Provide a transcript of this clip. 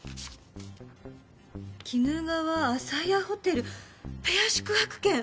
鬼怒川あさやホテルペア宿泊券！